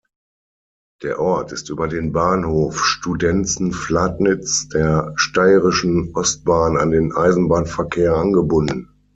Der Ort ist über den Bahnhof Studenzen-Fladnitz der Steirischen Ostbahn an den Eisenbahnverkehr angebunden.